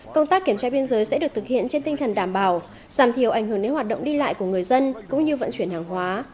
công tác kiểm tra biên giới sẽ được thực hiện trên tinh thần đảm bảo giảm thiểu ảnh hưởng đến hoạt động đi lại của người dân cũng như vận chuyển hàng hóa